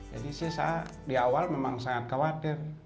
jadi saya di awal memang sangat khawatir